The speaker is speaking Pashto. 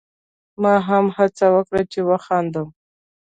ما هم هڅه وکړه چې وخاندم.